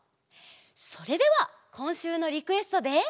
それではこんしゅうのリクエストで。